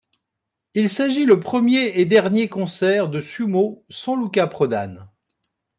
Il s'agit le premier et dernier concert de Sumo sans Luca Prodan.